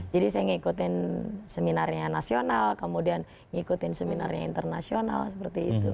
jadi saya ngikutin seminarnya nasional kemudian ngikutin seminarnya internasional seperti itu